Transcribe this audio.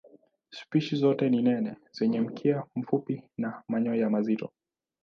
Spishi zote ni nene zenye mkia mfupi na manyoya mazito.